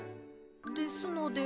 ですので。